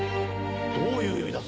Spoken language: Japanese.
どういう意味だ？